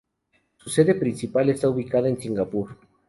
Su sede principal está ubicada en Singapur.